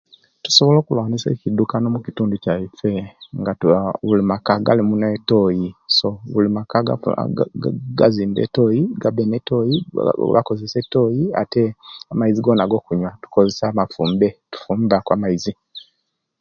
Tusubola okulwanisa okwidukana mukitundu kyaiswe nga buli maka galimu etoyi so buli maka gazimbe etoyi gabe netoyi bakozese etoyi amaizi gona gokunyuwa gabe mafumbe amaizi gona tufumba